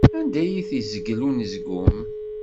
Anda i yi-izgel unezgum.